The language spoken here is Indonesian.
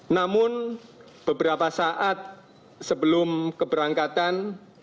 namun beberapa saat sebelum keberangkatan